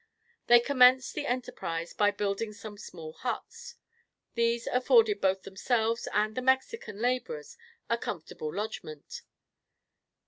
They commenced the enterprise by building some small huts. These afforded both themselves and their Mexican laborers a comfortable lodgment.